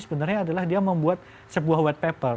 sebenarnya adalah dia membuat sebuah white paper